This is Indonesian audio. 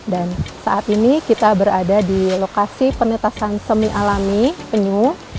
dan saat ini kita berada di lokasi penetasan semi alami penyu